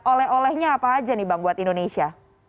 oleh olehnya apa aja nih bang buat indonesia